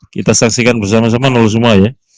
kita saksikan bersama sama nol semua ya